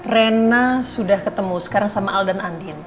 rena sudah ketemu sekarang sama aldan andin